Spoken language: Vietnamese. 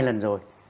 hai lần rồi